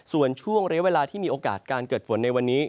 ส่วนช่วงเรียกเวลาที่มีโอกาสการเกิดฝนในวันนี้